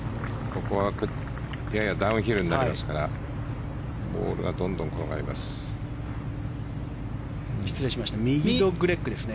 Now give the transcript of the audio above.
ここはややダウンヒルになりますからボールがどんどん転がります。